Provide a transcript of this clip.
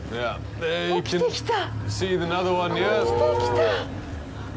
起きてきた。